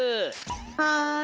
はい。